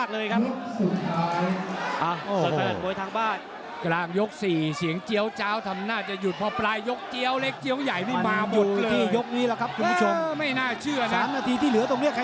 ทางการวุ่นวายไปแล้วนะแภนมวยนี่ไม่ติดที่เลย